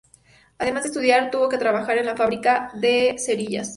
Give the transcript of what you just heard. Además de estudiar, tuvo que trabajar en una fábrica de cerillas.